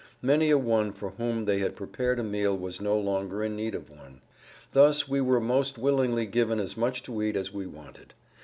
Many a one for whom they had prepared a meal was no longer in need of one. Thus we were most willingly given as much to eat as we wanted.